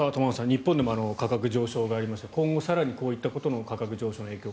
日本でも価格上昇がありますが今後更にこういったことの価格上昇の影響